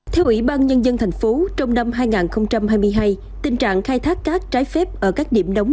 theo ủy ban nhân dân tp hcm trong năm hai nghìn hai mươi hai tình trạng khai thác cát trái phép ở các điểm đóng